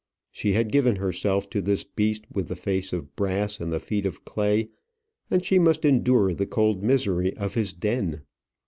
She had given herself to this beast with the face of brass and the feet of clay, and she must endure the cold misery of his den.